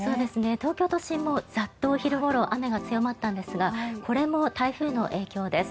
東京都心もザッと昼ごろ雨が強まったんですがこれも台風の影響です。